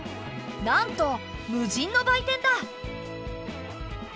なんと無人の売店だ。